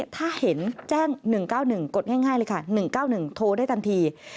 ถ้าเห็นแจ้ง๑๙๑กดง่ายเลยค่ะ๑๙๑โทรได้ทันที